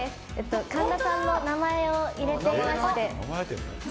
神田さんの名前を入れていまして。